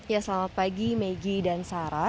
ya selama pagi megi dan sarah